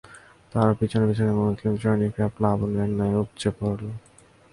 তার পিছনে পিছনে মুসলিম সৈনিকরা প্লাবনের ন্যায় উপচে পড়ল।